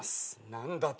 何だと？